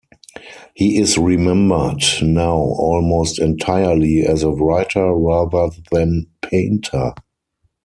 He is remembered now almost entirely as a writer rather than painter.